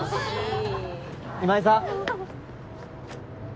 今井さん。